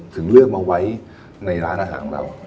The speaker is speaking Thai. ถึงเลือกมาไว้ในร้านอาหารเรา